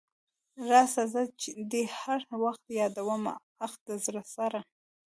راسه زه دي هر وخت يادومه اخ د زړه سره .